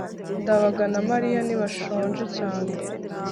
ndabaga na mariya ntibashonje cyane